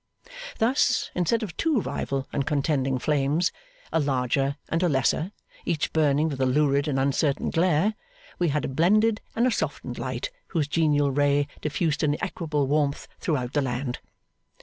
Thus, instead of two rival and contending flames, a larger and a lesser, each burning with a lurid and uncertain glare, we had a blended and a softened light whose genial ray diffused an equable warmth throughout the land.